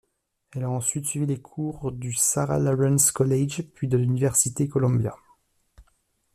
Elle a ensuite suivi les cours du Sarah Lawrence College puis de l'université Columbia.